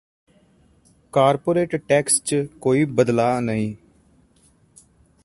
corporate tax ਚ ਕੋਈ ਬਦਲਾਅ ਨਹੀਂ